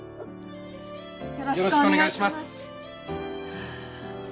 よろしくお願いします。